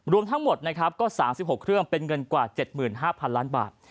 รวมทั้งหมด๓๖เครื่องเป็นเงินกว่า๗๕๐๐๐ล้านบาท